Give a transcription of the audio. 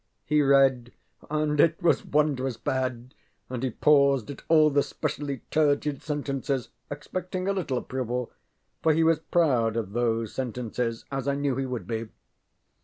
He read, and it was wondrous bad and he paused at all the specially turgid sentences, expecting a little approval; for he was proud of those sentences, as I knew he would be.